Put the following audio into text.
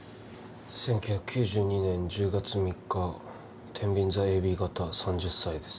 １９９２年１０月３日天秤座ＡＢ型３０歳です